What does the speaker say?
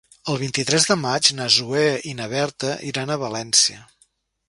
El vint-i-tres de maig na Zoè i na Berta iran a València.